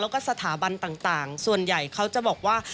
แล้วก็สถาบันต่างส่วนใหญ่เขาจะบอกว่า